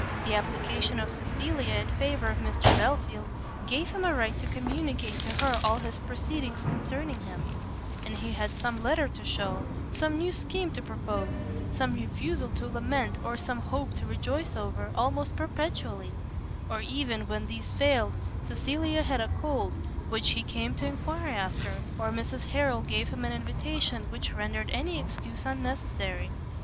The application of Cecilia in favour of Mr Belfield gave him a right to communicate to her all his proceedings concerning him; and he had some letter to shew, some new scheme to propose, some refusal to lament, or some hope to rejoice over, almost perpetually: or even when these failed, Cecilia had a cold, which he came to enquire after, or Mrs Harrel gave him an invitation, which rendered any excuse unnecessary.